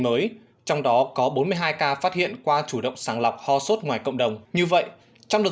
mới trong đó có bốn mươi hai ca phát hiện qua chủ động sàng lọc ho sốt ngoài cộng đồng như vậy trong đợt